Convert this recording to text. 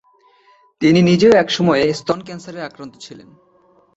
তিনি নিজেও একসময়ে স্তন ক্যান্সারে আক্রান্ত ছিলেন।